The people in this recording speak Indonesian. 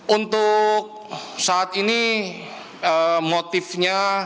untuk saat ini motifnya